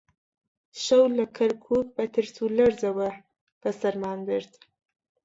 شەو لە کەرکووک بە ترس و لەرزەوە بەسەرمان برد